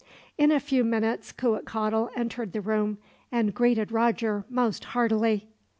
In a few minutes Cuitcatl entered the room, and greeted Roger most heartily.